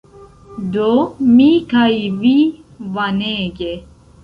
Do, mi kaj vi Vanege